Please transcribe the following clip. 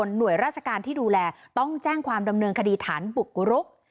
หน่วยราชการที่ดูแลต้องแจ้งความดำเนินคดีฐานบุกรุก